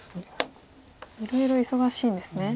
いろいろ忙しいんですね。